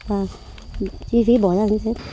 và chi phí bỏ ra